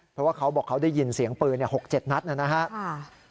เพราะว่าเขาบอกเขาได้ยินเสียงปืน๖๗นัดนะครับ